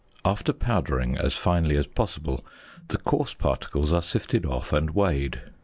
After powdering as finely as possible, the coarse particles are sifted off and weighed.